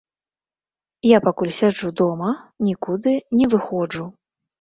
Я пакуль сяджу дома, нікуды не выходжу.